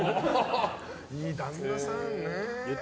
いい旦那さんね。